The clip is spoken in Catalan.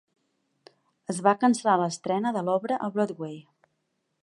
Es va cancel·lar l'estrena de l'obra a Broadway.